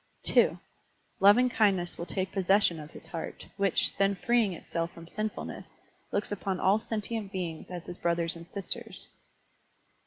(2) Lovingkindness will take possession of his heart, which, then freeing itself from sinfulness, looks upon all sentient beings as his brothers and sisters.